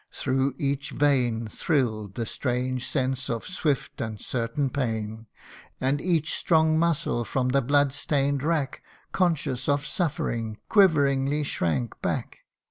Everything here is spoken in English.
Through each vein ThrilPd the strange sense of swift and certain pain ; And each strong muscle from the blood stain'd rack, Conscious of suffering, quiveringly shrank back.